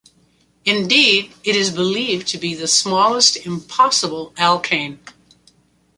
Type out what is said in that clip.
Indeed, it is believed to be the smallest "impossible" alkane.